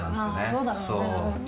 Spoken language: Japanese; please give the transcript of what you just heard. そうだろうね。